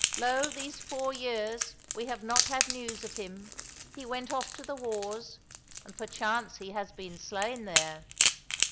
Lo, these four years we have not had news of him. He went off to the wars, and perchance he has been slain there."